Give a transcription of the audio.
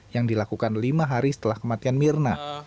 yang dilakukan lima hari setelah kematian mirna